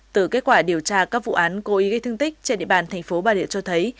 từ kết quả điều tra các vụ án cố ý gây thương tích trên địa bàn thành phố bà rịa cho thấy